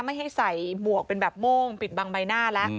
ไม่ให้ใส่หมวกเป็นม่วงไปปิดบางใบหน้าละ